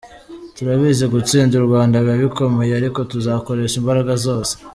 Turabizi gutsinda u Rwanda biba bikomeye ariko tuzakoresha imbaraga zose.